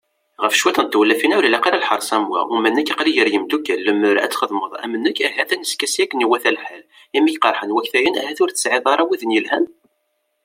Ɣef cwiṭ n tewlafin-a, ur ilaq ara lḥerṣ am wa, uma nekk aql-i gar yimeddukal, lemmer ad d-txedmeḍ am nekk, ahat ad neskasi akken iwata lḥal, imi k-qerḥen waktayen ahat ur tesɛiḍ ara widen yelhan ?